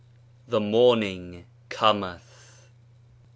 ..» The morning cometh.